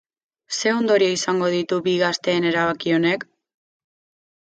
Ze ondorio izango ditu bi gazteen erabaki honek?